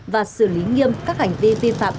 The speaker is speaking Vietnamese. và xử lý nghiêm các hành vi vi phạm